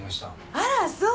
あらそう！